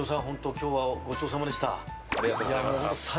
今日はごちそうさまでした。